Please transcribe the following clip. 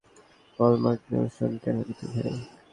পল McCartney এবং Sean Connery দুই ভাই।